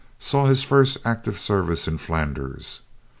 Saw his first active service in Flanders.